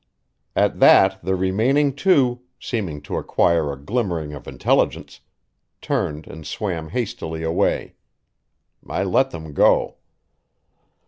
At that the remaining two, seeming to acquire a glimmering of intelligence, turned and swam hastily away. I let them go.